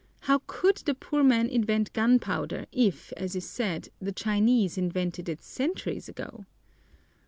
"How could the poor man invent gunpowder if, as is said, the Chinese invented it centuries ago?"